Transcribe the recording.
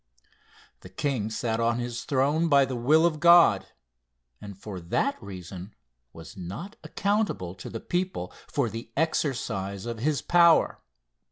The king sat on his throne by the will of God, and for that reason was not accountable to the people for the exercise of his power.